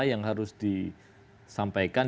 yang harus disampaikan